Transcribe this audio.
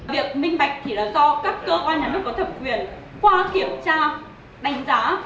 việc minh bạch chỉ là do các cơ quan nhà nước có thẩm quyền qua kiểm tra đánh giá